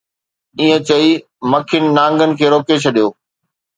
ائين چئي مکين نانگن کي روڪي ڇڏيو